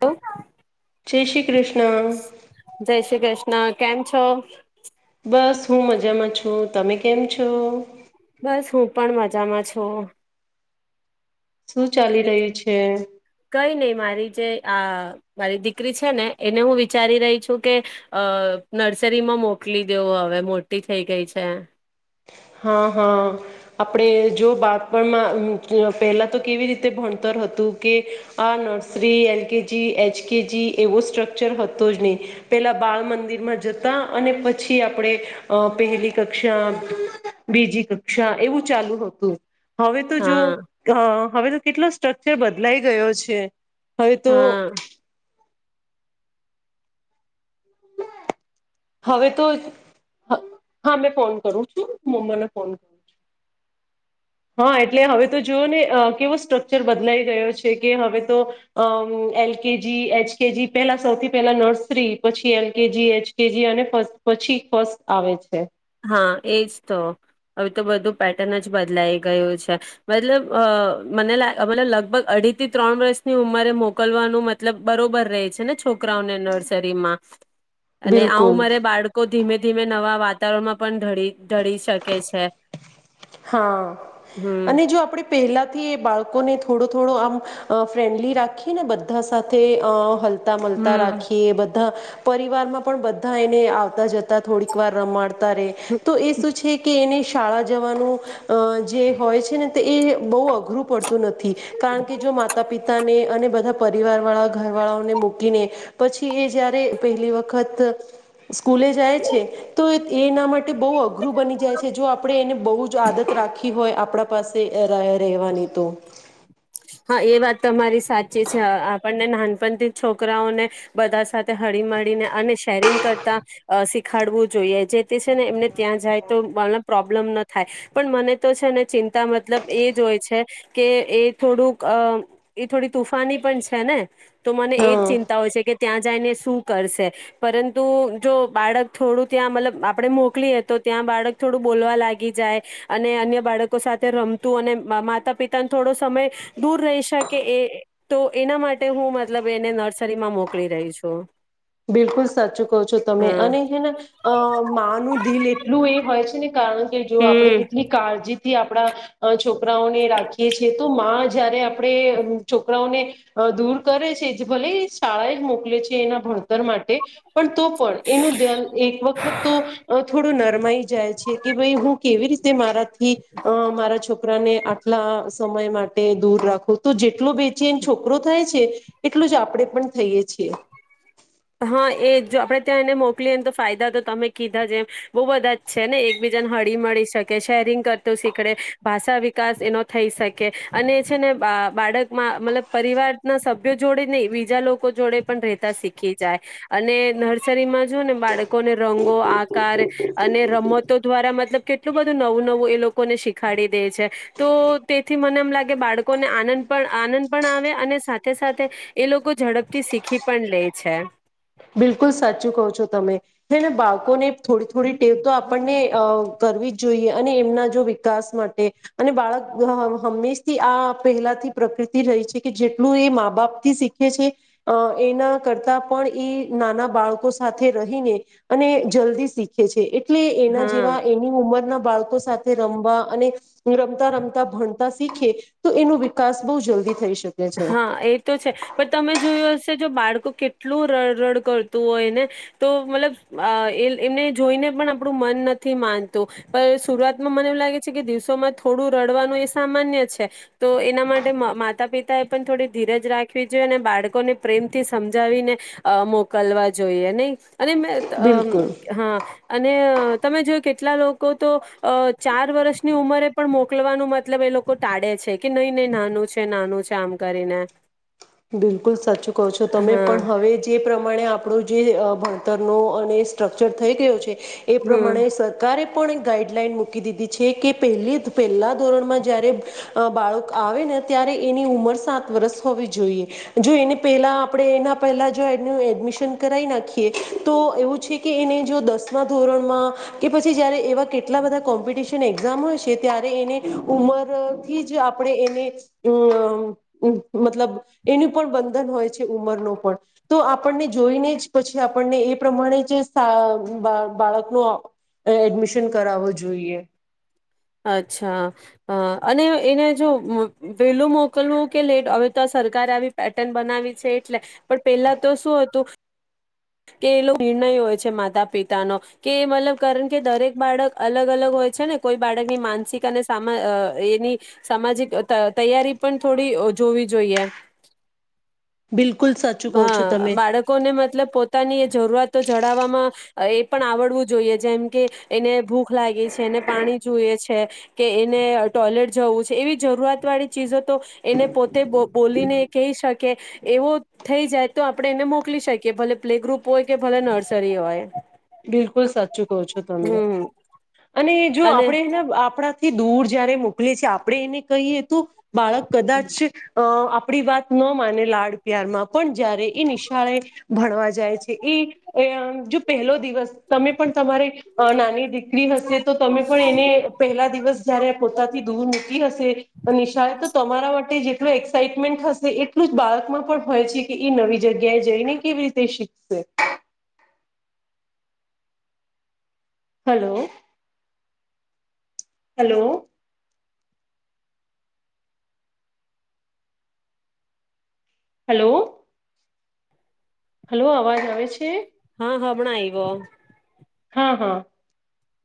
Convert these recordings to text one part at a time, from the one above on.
Hello. જે શી કૃષ્ણ. શ્રી કૃષ્ણ કેમ છો. બસ હું મજામાં છું, તમે કેમ છો? બસ હું પણ મજામાં છું. શું ચાલી રહ્યું છે? કઈ નહી મારી જે આ મારી દીકરી છે ને એને હું વિચારી રહી છું કે અ નર્સરીમાં મોકલી દેવ હવે મોટી થઈ ગઈ છે. હ હ આપણે જો બાળપણમાં પહેલાં તો કેવી રીતે ભણતર હતું કે આ nursery L K G H K G એવો સ્ટ્રક્ચર હતો જ નહીં પહેલાં બાળ મંદિરમાં જતા અને પછી આપણે પહેલી કક્ષા બીજી કક્ષા એવું ચાલુ હતું. હવે તો જો હા હવે તો કેટલો સ્ટ્રકચર બદલાઈ ગયો છે. હવેતો હા હવે તો હા મે ફોન કરું છું મમ્મીને ફોન કરું છું. હા એટલે હવે તો જોઓ ને કેવો સ્ટ્રક્ચર બદલાઈ રહ્યો છે કે હવે તો અ એલકેજી એચકેજી પહેલા સૌથી પહેલા નર્સરી પછી એલકેજી એચકેજી અને ફ પછી ફસ્ટ આવે છે. હા એજ તો હવે તો બધું પેટર્ન જ બદલાઈ ગયું છે મતલબ અ મને લાગે મતલબ લગભગ અઢી થી ત્રણ વર્ષની ઉંમરે મોકલવાનું મતલબ બરોબર રહે છે ને છો છોકરા નર્સરીમાં અને આવું બિલકુલ મારે બાળકો ધીમે ધીમે નવા વાત વાતાવરણમાં પણી ઢળી શકે છે. હા હમ અને જો આપડે. પહેલાથી એ બાળકોને થોડો થોડો આમ ફ્રેન્ડલી રાખીને બધા સાથે અ મળતા હમ રાખીએ બ પરિવારમાં પણ બધા એને આવતા જતા થોડીક વાર રમાડ તા રહે તો એ શું છે કે એને શાળા જવાનું જે હોય છે ને એ બહુ અઘરું પડતું નથી કારણ કે જો માતા પિતાને અને બધા પરિવાર વાળા ઘરવાળાઓને મૂકીને પછી એ જયારે પહેલી વખત સ્કૂલે જાય છે તો એના માટે બહ અઘરું બની જાય છે જો આપણે એને બહ જો આદત રાખી હોય આપણા પાસે રહેવાની તો. હા એ વાત તો મારી સાચી છે આપણને નાનપણથી છોકરાઓને બધા સાથે હળી મળળીને અને શેરિંગ કરતા શીખાડવું જોઈએ જે તે છે ને એમને ત્યાં જાય તો મ પ્રોબ્લેમ ન થાય પણ મને તો છે ને ચિંતા મતલબ એ જ હોય છે કે એ થોડુંક અ એ થોડી તુફાની પણ છે ને. તો મને એજ હા ચિંતા હોય છે કે ત્યાં જઈને શું કરશે? પરંતુ જો બાળક થોડું ત્યાં મતલબ આપણે મોકલીએ તો ત્યાં બાળક થોડું બોલવા લાગી જાય અને અન્ય બાળકો સાથે રમતું અને માતા પિતાને થોડો સમય દૂર રહી શકે એ તો એના માટે હું મતલબ એને નર્સરીમાં મોકલી રહી છું. બિલકુલ સાચું કહો છો તમે હા. અને હને અ માનું દિલ એટલું એ હોય છે ને કારણ કે જો આપડે હમ કેટલી કા જી થી આપણા છોકરાઓને રાખીએ છીએ તો માં જયારે આપણે છોકરાઓને દૂર કરે છે ભલે શાળા જ મોકલે છે એના ભણ તર માટે પણ તો પણ એનું ધ્યાન એક વખત તો થોડું નર્મ મૈ જાય છે કે ભાઈ હું કેવી રીત તે મારાથી મારા છો કરાને આટલા સમય માટે દૂર રાખો તો જેટલો બેચેન છોકરો થાય છે એટલું જ આપણેે પણ થઈએ છીએ. હા એ જો આપડે ત્યાં એને મોકલીએને તો ફાયદા તો તમે કીધા જે એમ બહુ બધા જ છે ને એકબીજાને હળી મળી શકે, શેરિંગ કરત શીખડે, ભાષા વિકાસ એનો થઈ શકે અને એ છે ને બા બાળકમાં મતલબ પરિવારના સભ્યો જોડે નહી બીજા લોકો જોડે પણ રહેતા શીખ શીખી જાય અને નર્સરીમાં જો ને બાળકોને રંગો, આકાર અને રમતો દ્વારા મતલબ કેટલું બધું નવું નવું એ લોકોને શીખાડી દે છે તો તેથી મને એ લાગે બાળકોને આનંદ પણ આનંદ પણ આવે અને સાથે સાથે એ લોકો ઝડપથી શીખી પણ લે. છે. બિલકુલ સાચું કહો છો તમે. જેને બાળકોને થોડી થોડી ટેવ તો આપણને અ કરવી જ જોઈએ અને એમના જો વિકાસ માટે અને બાળક હંમેશથી આ પહેલાથી પ્રકૃતિ રહી છે કે જેટલું એ મા બાપથી શીખે છે અ એના કરતા પણ એ નાના બાળકો સાથે રહીને અને જલ્દી શીખે છે. એટલે એના હા જેવા એની ઉંમરના બાળકો સાથે રમવા અને રમતા રમતા ભણતા શીખે તો એનો વિકાસ બહુ જલ્દી થઈ શકે છે હા એ તો છે પણ તમે જોયું હશે જો બાળ કેટલું રડ રડ કરતું હોયને તો મતલબ એ એમને જોઈને પણ આપણું મન નથી માનતું પણ શુરઆતમાં મને એવું લાગે છે કે દિવસોમાં થોડું રડવાનું એ સામાન્ય છે તો એના માટે માતા પિ તા એ પણ થોડી ધીરજ રાખવી જોઈએ અને બાળકોને પ્રેમથી સમજાવીને મોકલવા જોઈએ નિહ અને મે બિલકુલ. હા અને. તમે જોય કેટલા લોકો તો અ ચાર વર્ષની ઉંમરે પણ મો મોકલવાનું મતલબ એ લોકો ટાળે છે કે નહીં નહી નાનું છે નાનું છે. કામ કરીને. બિલકુલ સાચું કહો છો તમે હા પણ હવે જે પ્રમાણે આપડો જે ભણતરનો અને સ્ટ્રક્ચર થઈ ગયો છે એ હમ પ્રમાણે સરકારે પણ એક ગાઈડલાઈન મૂકી દીધી છે કે પલી પહેલા ધોરણમાં જયારે બાળક આવે ને ત્યારે એની ઉંમર સાત વર્સ હોવી જોઈએ. જોઈએ જો એને પહેલા આપણે એના પહેલા જો એનું એડમિશન કરાવ નાખીએ તો એવું છે કે એને જો દસમાં ધોરણમાં કે પછી જારે એવા કેટલા બધા કોમ્પિટશન એક્ઝામ હોય છે ત્યારે એને ઉંમરથી જ આપણે એને મતલબ. એનું પણ બંધન હોય છે ઉંમરનું પણ તો આપણને જોઈને જ પછી આપણને એ પ્રમાણે જ બાળકનો એડમિશન કરાવવો જોઈએ. અચ્છા અને એને જો વેલું મોકલવું કે લેટ હવે તો સરકારે આવી પેટર્ન બનાવી છે એટલે પણ પેલા તો શું હતું કે એ નિર્ણય હોય છે માતા પિતાનો કે મતલબ કારણ કે દરેક બાળક અલગ અલગ હોય છે ને કોઈ બાળકની માનસિક અને એની સામાજિક તૈયારી પણ થોડી જોવી જોઈએ. બિલકુલ સાચું કહો છો હા તમે બાળકોને મતલબ પો પોતાની જરૂરતો જડવવામાં, એ પણ આવડવું જોઈએ જેમ કે, એને ભૂખ લાગે છે એને પાણી જોઈએ છે, કે એને ટોયલેટ જવું છે, એવી જરૂરિયાત વાળી ચીજો તો એને પોતે બોલીને કહી શકે, એવો થઈ જાય તો આપણે એને મોકલી શકીએ ભલે પ્લે ગ્રુપ હોય કે ભલે નર્સરી હોય. બિલકુલ સાચું કહો છો તમે, હમ અને જો અને આપણે આપણે થી દૂર જયારે મોકલી છે આપણે એને કહીએ તું બાળક કદાચ અ આપણી વાત ન માને લાડ પ્યારમાં પણ જયારે એ નિશાળે, ભણવા જાય છે એ જો પહેલો દિવસ તમે પણ તમારી નાની દીકરી હશે તો તમે પણ એને પહેલા દિવસ જય્યારે પોતાથી દૂર હશે, તો નિશાળ તમારા માટે જેટલું એક્સાાઈટમેન્ટ હશે એટલું જ બાળકમાં પણ હોય છે કે એ નવી જગ્યાએ જઈને કેવી રીતે શીખશે. Hello, hello. હલો. હલો અવાજ આવે છે? હમણા આયવો. હા હા.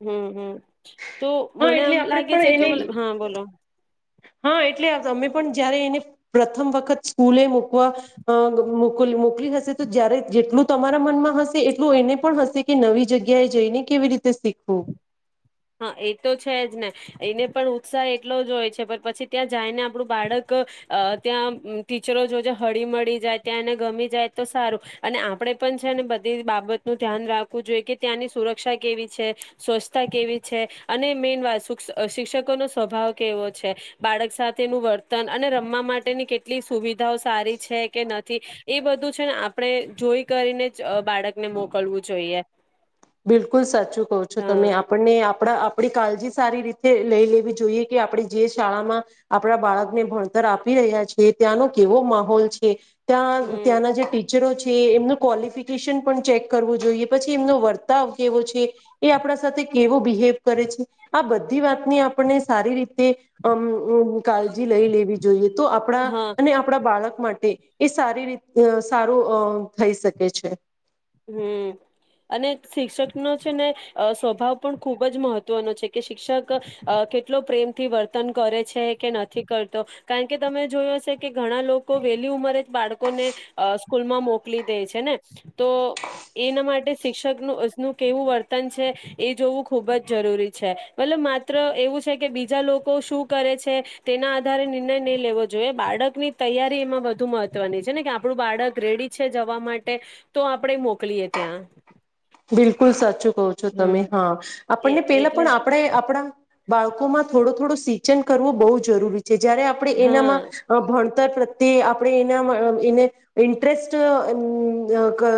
હમ હમ. તો હા મને એટલે આમ આપણે લાગે છે જો પણ મ, એને હા બોલો. હા એટલે તમે પણ જયારે એને પ્રથમ વખત સ્કૂલે મકવા અ મો મોકલી હશે તો જ્યારે જેટલું તમારા મનમાં હશે એટલું એને પણ હશે કે નવી જગ્યાએ જઈને કેવી રીતે શીખવું હા એ તો છે જ ને એને પણ ઉત્સાહ એટલો જ હોય છે પણ પછી ત્યાં જાય ને આપણું બાળક ત્યાં ટીચરો જોજે હળી મળી જાય ત્યાં એને ગમી જાય તો સારું અને આપણે પણ છે ને બધી બાબતનું ધ્યાન રાખવું જોઈએ કે ત્યાંની સુરક્ષા કેવી છે સ્વચ્છતા કેવી છે અને મેન વાત શિક શિક્ષકો નો સ્વભાવ કેવો છે બાળક સાથેનું વર્તન અને રમવા માટેની કેટલી સુવિધાઓ સારી છે કે નથી એ બધું છે ને આપણે જોઈ કરીને જ બાળકને મોકલવું જોઈએ બિલકુલ સાચું કહો છો હ તમે આપણને આપણા આપડી કાળજી સારી રીતે લઈ લેવી જોઈએ કે આપણે જે શાળામાં આપણા બાળકને ભણતર આપી રહ્યા છે ત્યાંનો કેવો માહોલ છે ત્યાં હમ ત્યાંના જે ટીચરો છે એમનું ક્વોલિફિક [unintelligible] ચેક કરવું જોઈએ પછી એમનો વર કેવો છે એ આપણા સાથે કેવો બિહેવ કરે છે આ બધી વાતને આપને સારી રીતે અમ કાળજી લઈ લેવી જોઈએ તો આપણા હા અને આપણા બાળક માટે એ સારી રી અ સારું અ થઈ શકે છે હમ્મ અને શિક્ષક નો છે ને અ સ્વભાવ પણ ખૂબ જ મહત્વનો છે કે શિક્ષક અ કેટલો પ્રેમથી વર્તન કરે છે કે નથી કરતો કારણ કે તમે જોયો છે કે ઘણા લોકો વહેલી ઉંમરે બાળકો નેઅ સ્કૂ સ્કૂલમાં મોકલી દે છે ને તો એના માટે શિક્ષકનુંનું કેવું વર્તન છે એ જોવું ખૂબ જ જરૂરી છે મતલબ માત્ર એવું છે કે બીજા લોકો શું કરે છે તેના આધારે નિર્ણય નહી લેવો જોઈએ બાળકની તૈયારી એમાં વધુ મહત્વની છે ને કે આપણું બાળક રેડી છે જવા માટે તો આપણે મોકલીએ ત્યાં બિલકુલ સાચું કહો છો તમે હમ હા એ આપણને પેલા એટલે પણ આપણે આપણા બાળકો માં થોડો થોડો સિંચન કરવું બહુ જરૂરી જયારે આપણે હા એનામાં ભણતર તે આપણે એના અ એને ઇન્ટરેસ્ટઅ અમ ક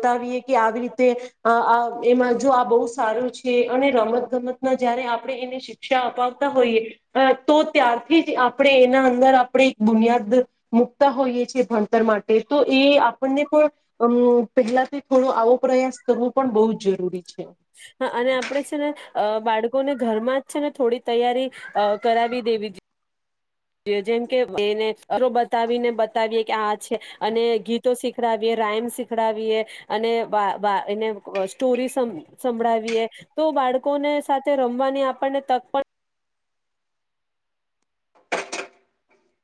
બતાવીએ કે આવી રી તે આ એમાં જો આ બહુ સારું છે અને રમત ગમતના જયારે આપણે એને શિક્ષા અપાવતા હોઈએ તો ત્યારથી જ આપણે એના અંદર આપણે એક બુનિયાદ મુૂકતા હોઈએ છે ભણતર માટે તો એ આપણને પણ અમ પહેલાથી થોડો આવો પ્રયાસ કરવો પણ બહુ જ જરૂરી છે હા અને આપડે છે ને અ બાળકોને ઘરમાં જ છે ને થોડી તૈયારી અ કરાવી દેવી જેમ કે એને અરો બતાવીને બતાવીએ કે આ છે અને ગીતો શીખડાવીએ રાઈમ શીખડાવીએ અને બા બા એને સ્ટોરી સંભળાવીએ તો બાળકોને સાથે રમવાની આપણને તક પણ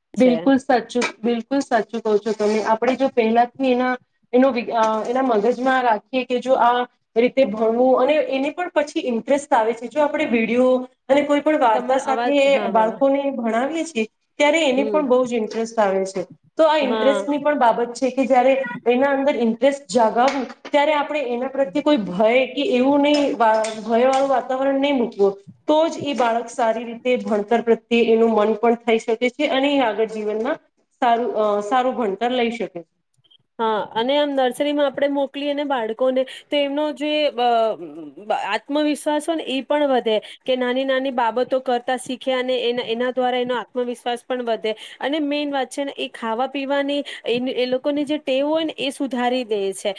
પણ છે બિલકુલ સાચું બિલકુલ સાચું કહો છો આપણે જો પહેલા એના એનો એના મગજમાં રાખીએ કે જો આ રીતે ભણવું અને એને પણ પછી ઇન્ટરેસ્ટ આવે છે જો આપણે વિડીયો અને કોઈ પણ વાર્તા તમારો અવાજ સાથે હા બોલો બાળકોને ભણાવીએ છીએ એ ત્યારે એને હમ બહુંજ ઇન્ટરેસ્ટ આવે છે તો આ હા ઇન્ટરેસ્ટની પણ બાબત છે કે જયારે એના અંદર જગાવું ત્યારે આપણે એના પ્રત્યે કોઈ ભય એ એવું નહી ભય વાળું વાતાવરણ નહી મૂકવું તો જ એ બાળક સારી રીતે ભણતર પ્રત્યે એનું મન પણ થઈ શકે છે અને આગળ જીવનમાં સારું અ સારું ભણતર લઈ શકે છે હા અને આમ નર્સરીમાં આપણે મોકલીએ ને બાળકોને તો એમનો જે અ બ આત્મવિશ્વાસ હો ને એ પણ વધે કે નાની નાની બાબતો કરતા શીખે અને એ એના દ્વારા એનો આત્મવિશ્વાસ પણ વધે અને મેન વાત છે ને એ ખાવા પીવાની એ એ લોકોને જે તેઓને એ સુધારી દે છે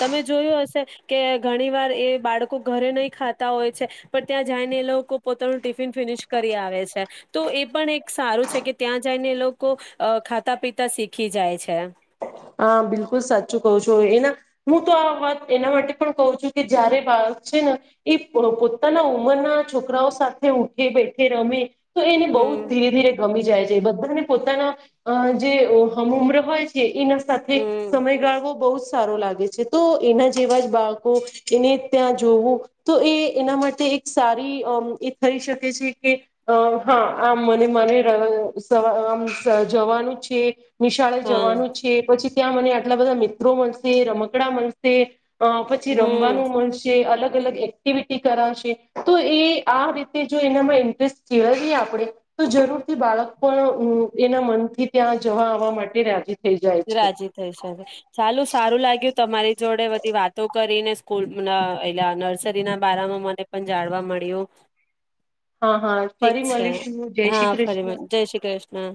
તમે જોયું હશે કે ઘણી વાર એ બાળકો ઘરે નહી ખાતા હોય છે પણ ત્યાં જઈને એ લોકો પોતાનું ટિફિન ફિનિશ કરી આવે છે તો એ પણ એક સારું છે કે ત્યાં જઈને એ લોકો અ ખાતા પીતા શીખી જાય છે હા બિલકુલ સાચું કહું છું એના હું તો આ વાત એના માટે પણ કું છું કે જયારે બાળક છે ને એ પોતાના ઉંમરના છોકરાઓ સાથે ઉઠે, બેઠે, રમે તો એને બહુ હમ ધીરે ધીરે ગમી જાય છે બધાને પોતાના જે હમ ઉમ્ર હોય છે એ સાથે હમ સમયગાળવો બહુ સારો લાગે છે તો એના જેવા જ બાળકો એને ત્યાં જોવું તો એ એના માટે એક સારી એ થઈ શકે છે કે હા આમ મને મને સ આમ જવાનું છે નિશાળે હા જવાનું જ છે પછી ત્યાં મને આટલા બધા મિત્રો મનશે રમકડા મનશે અ પછી હમ રમવાનું મળશે અલગ અ અલગ એક્ટિવિટી કરાશે તો એ આ રીતે જો એનામાં ઇન્ટરેસ્ટ કેળવીએ આપણે તો જરૂરથી બાળક પણ એના મનથી ત્યાં જવા આવવા માટે રા રાજી થઈ શકે ચાલું સારું લાગ્યું તમારી જોડે બધી વાતો કરીને સ્કૂલ એલા નર્સરી ના બારામાં મને પણ જાણવા મળ્યું હા હા ઠીક ફરી છે મળીશું જય હા શ્રી ફરી મ કૃષ્ણ જય શ્રી કૃષ્ણ